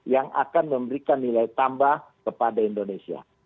yang akan memberikan nilai tambah kepada indonesia